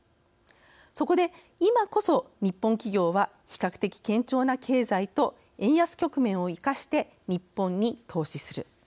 そこで、今こそ日本企業は比較的、堅調な経済と円安局面を生かして日本に投資する。